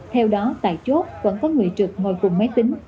theo đó tại chốt vẫn có người trực ngồi cùng máy tính